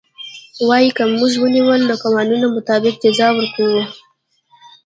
وايي که موږ ونيول د قوانينو مطابق جزا ورکوو.